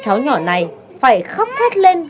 cháu nhỏ này phải khóc hết lên